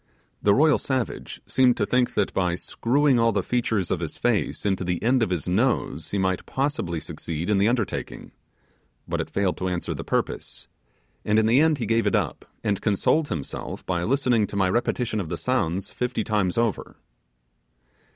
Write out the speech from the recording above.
The royal savage seemed to think that by screwing all the features of his face into the end of his nose he might possibly succeed in the undertaking, but it failed to answer the purpose; and in the end he gave it up, and consoled himself by listening to my repetition of the sounds fifty times over.